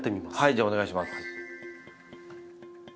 じゃあお願いします。